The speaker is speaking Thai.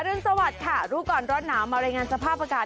รุนสวัสดิ์ค่ะรู้ก่อนร้อนหนาวมารายงานสภาพอากาศ